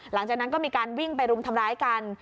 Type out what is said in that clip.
หลังจากนั้นก็มีการวิ่งไปรุมทำร้ายกัน